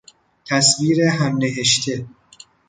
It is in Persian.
تصویر همنهشته